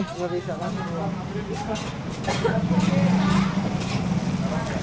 nggak bisa masih dulu